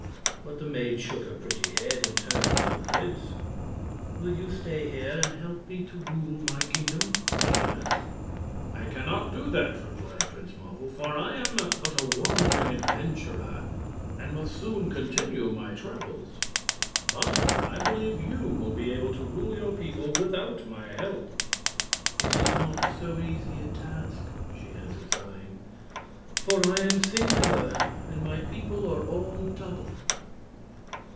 But the maid shook her pretty head and turned to the prince. "Will you stay here and help me to rule my kingdom?" she asked. "I can not do that," replied Prince Marvel, "for I am but a wandering adventurer and must soon continue my travels. But I believe you will be able to rule your people without my help." "It is not so easy a task," she answered, sighing. "For I am singular and my people are all double."